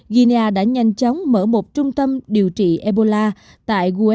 guinea đã nhanh chóng mở một trung tâm điều trị ebola tại gweke